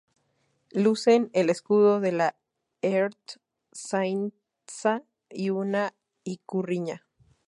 Lucen el escudo de la Ertzaintza y una ikurriña.